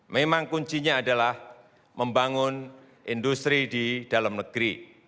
memang kuncinya adalah membangun industri di dalam negeri